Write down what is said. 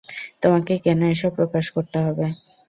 তোমাকে কেন এসব প্রকাশ করতে হবে?